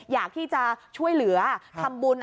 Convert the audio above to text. อยากที่จะช่วยเหลือทำบุญ